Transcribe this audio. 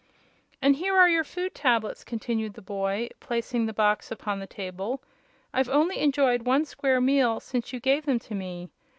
"And here are your food tablets," continued the boy, placing the box upon the table. "I've only enjoyed one square meal since you gave them to me.